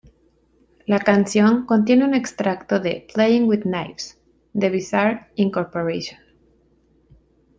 La canción contiene un extracto de "Playing With Knives" de Bizarre Inc.